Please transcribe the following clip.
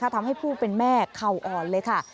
ทำให้ผู้เป็นแม่เข่าอ่อนเลยค่ะ